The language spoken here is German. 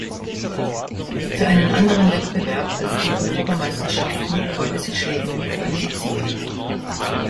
Für einen anderen Wettbewerb als die Europameisterschaften konnte sich Schweden nie qualifizieren.